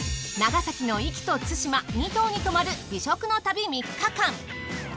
長崎の壱岐と対馬２島に泊まる美食の旅３日間。